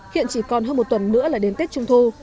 hiện chỉ còn hơn một tuần nữa là đến tết trung thu